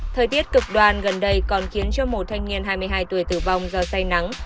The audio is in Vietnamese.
thời tiết cực đoan gần đây còn khiến cho một thanh niên hai mươi hai tuổi tử vong do say nắng